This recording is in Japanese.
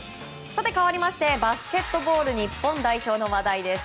かわりまして、バスケットボール日本代表の話題です。